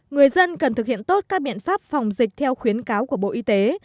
người dân cần thực hiện tốt các biện pháp phòng dịch theo khuyến cáo của bộ y tế